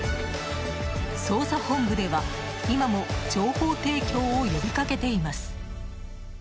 捜査本部では今も情報提供を呼びかけています。